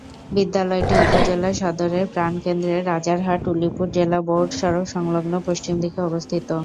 বিদ্যালয়টি উপজেলা সদর এর প্রাণ কেন্দ্রে রাজারহাট-উলিপুর জেলা-বোর্ড সড়ক সংলগ্ন পশ্চিম দিকে অবস্থিত।